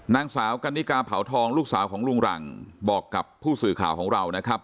นางสาวกันนิกาเผาทองลูกสาวของลุงหลังบอกกับผู้สื่อข่าวของเรานะครับ